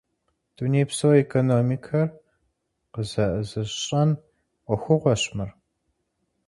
Дунейпсо экономикэр къызэӀызыщӀэн Ӏуэхугъуэщ мыр.